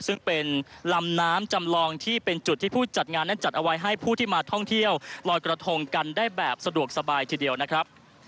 ซึ่งเป็นลำน้ำจำลองที่เป็นจุดที่ผู้จัดงานนั้นจัดเอาไว้ให้ผู้ที่มาท่องเที่ยวลอยกระทงกันได้แบบสะดวกสบายทีเดียวนะครับ